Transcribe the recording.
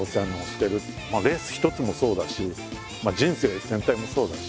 レース一つもそうだし人生全体もそうだし。